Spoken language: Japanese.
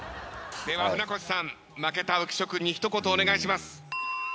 では船越さん負けた浮所君に一言お願いします。